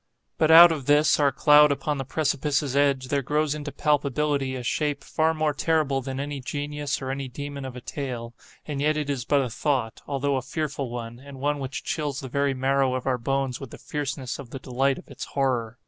But out of this our cloud upon the precipice's edge, there grows into palpability, a shape, far more terrible than any genius or any demon of a tale, and yet it is but a thought, although a fearful one, and one which chills the very marrow of our bones with the fierceness of the delight of its horror.